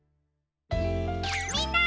みんな！